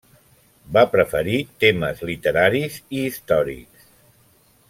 Va preferir temes literaris i històrics.